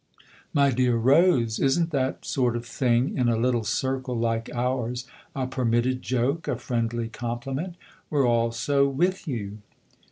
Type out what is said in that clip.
" My dear Rose, isn't THE OTHER HOUSE 81 that sort of thing, in a little circle like ours, a permitted joke a friendly compliment ? We're all so with you."